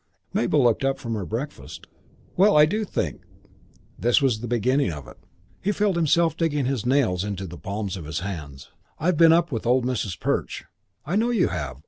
Mabel looked up from her breakfast. "Well, I do think " This was the beginning of it. He felt himself digging his nails into the palms of his hands. "I've been up with old Mrs. Perch " "I know you have.